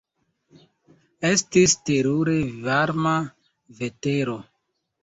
Estis terure varma vetero.